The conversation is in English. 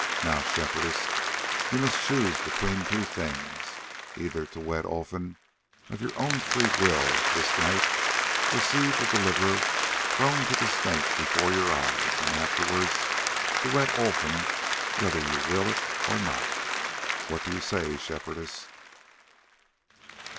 Now, Shepherdess, you must choose between two things; either to wed Olfan of your own free will this night, or to see the Deliverer thrown to the Snake before your eyes, and afterwards to wed Olfan whether you will it or not. What do you say, Shepherdess?"